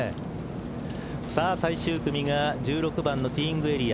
最終組が１６番のティーイングエリア。